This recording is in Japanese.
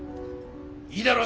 いいだろう！